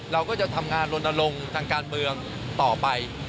เราก็จะทำงานลนลงทางการเมืองต่อไป